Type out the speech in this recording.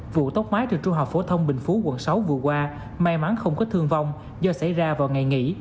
vụ tốc mái trường trung học phổ thông bình phú quận sáu vừa qua may mắn không có thương vong do xảy ra vào ngày nghỉ